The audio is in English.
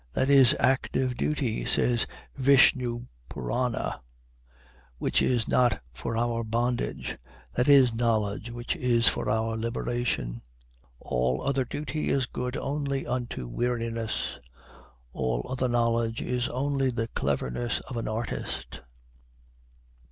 "That is active duty," says the Vishnu Purana, "which is not for our bondage; that is knowledge which is for our liberation: all other duty is good only unto weariness; all other knowledge is only the cleverness of an artist."